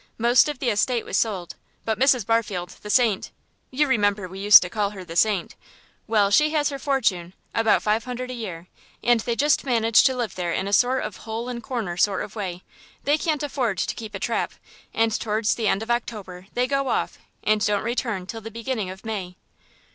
Most of the estate was sold; but Mrs. Barfield, the Saint you remember we used to call her the Saint well, she has her fortune, about five hundred a year, and they just manage to live there in a sort of hole and corner sort of way. They can't afford to keep a trap, and towards the end of October they go off and don't return till the beginning of May.